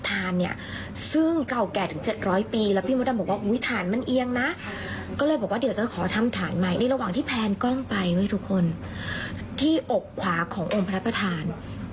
เนี่ยซึ่งเก่าแก่ถึง๗๐๐ปีแล้วพี่มดดำบอกว่าอุ๊ยฐานมันเอียงนะก็เลยบอกว่าเดี๋ยวจะขอทำฐานใหม่ในระหว่างที่แพนกล้องไปทุกคนที่อกขวาขององค์พระประธาน